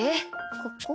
ここ？